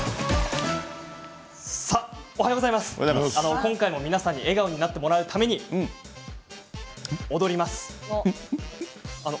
今回も皆さんに笑顔になってもらうために踊ります。